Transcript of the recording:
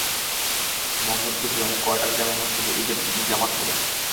Mohammadpur joint quarter জামে মসজিদে ঈদের দুটি জামাত হবে।